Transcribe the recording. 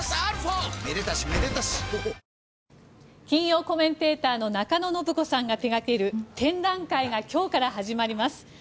金曜コメンテーターの中野信子さんが手掛ける展覧会が今日から始まります。